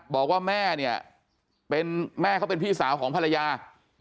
บอกว่าแม่เนี่ยเป็นแม่เขาเป็นพี่สาวของภรรยา